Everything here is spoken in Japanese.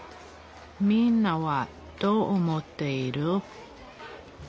みんなはどう思っている？